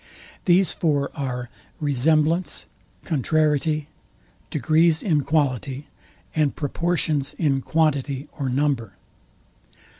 These four are RESEMBLANCE, CONTRARIETY, DEGREES IN QUALITY, and PROPORTIONS IN QUANTITY OR NUMBER.